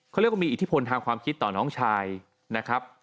เขาเรียกว่ามีอิทธิพลทางความคิดต่อน้องชายนะครับ